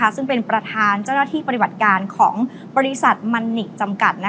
ซึ่งเป็นประธานเจ้าหน้าที่ปฏิบัติการของบริษัทมันนิกจำกัด